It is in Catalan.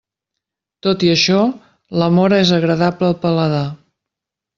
Tot i això, la móra és agradable al paladar.